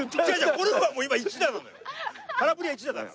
これはもう今１打なのよ。